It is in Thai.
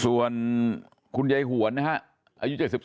ส่วนคุณยายหวนนะครับ